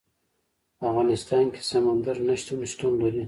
په افغانستان کې سمندر نه شتون شتون لري.